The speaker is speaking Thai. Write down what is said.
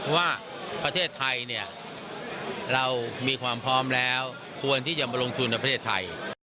ว่าประเทศไทยเนี่ยเรามีความพร้อมแล้วควรที่จะมาลงทุนในประเทศไทย